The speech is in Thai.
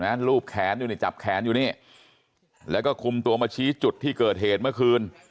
รูปแขนอยู่นี่จับแขนอยู่นี่แล้วก็คุมตัวมาชี้จุดที่เกิดเหตุเมื่อคืน